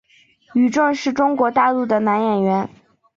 于震是中国大陆的男演员。